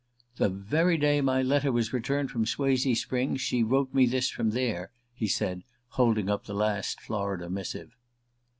"The very day my letter was returned from Swazee Springs she wrote me this from there," he said, holding up the last Florida missive.